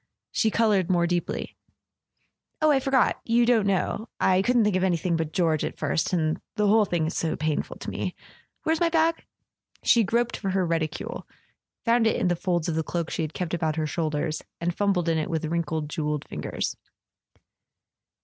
She coloured more deeply. "Oh, I forgot—you don't know. I couldn't think of anything but George at first ... and the whole thing is so painful to me. .. Where's my bag?" She groped for her reticule, found it in the folds of the cloak she had kept about her shoulders, and fum¬ bled in it with wrinkled jewelled fingers.